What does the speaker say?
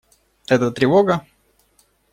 Это тревога?